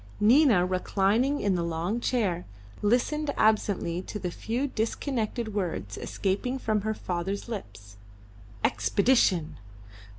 Nina, reclining in the long chair, listened absently to the few disconnected words escaping from her father's lips. Expedition!